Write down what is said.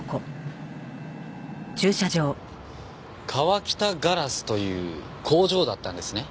川喜多ガラスという工場だったんですね？